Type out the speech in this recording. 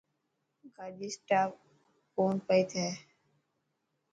گاڏي اسٽاٽ ڪون پئي ٿي.